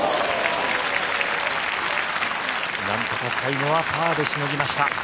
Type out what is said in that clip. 何とか最後はパーでしのぎました。